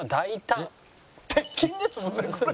鉄筋ですもんねこれ。